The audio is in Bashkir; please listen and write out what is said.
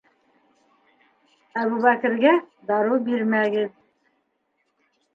Әбүбәкергә дарыу бирмәгеҙ...